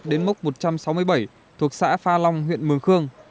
đến mốc một trăm sáu mươi bảy thuộc xã pha long huyện mường khương